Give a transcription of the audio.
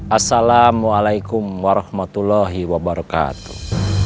assalamualaikum warahmatullahi wabarakatuh